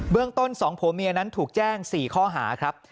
เรื่องต้น๒ผัวเมียนั้นถูกแจ้ง๔ข้อหาครับ